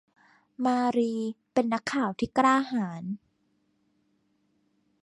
มารีเป็นนักข่าวที่กล้าหาญ